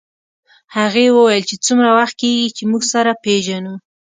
هغې وویل چې څومره وخت کېږي چې موږ سره پېژنو